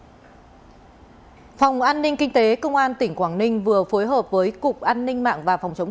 phòng an ninh kinh tế công an tỉnh quảng ninh vừa phối hợp với cục an ninh mạng và phòng chống